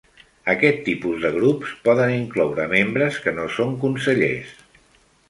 Aquest tipus de grups poden incloure membres que no són consellers.